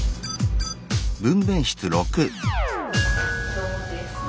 どうですか？